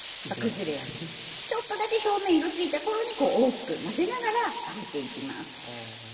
ちょっとだけ表面色づいた頃にこう大きく混ぜながら揚げていきます。